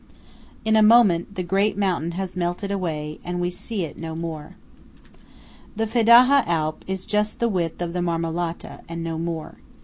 In a moment the great mountain has melted away, and we see it no more. 22 The Fedaja Alp is just the width of the Marmolata, and no more.